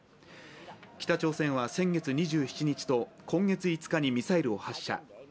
北朝鮮は先月２７日と今月５日にミサイルを発射。